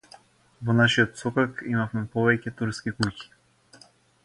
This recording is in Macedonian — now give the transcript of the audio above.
Во нашиот сокак имавме повеќе турски куќи.